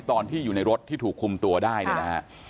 ตอนที่อยู่ในรถที่ถูกคุมตัวได้เนี่ยนะฮะ